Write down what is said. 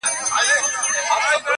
پوليس کور ته راځي او پلټنه پيلوي ژر-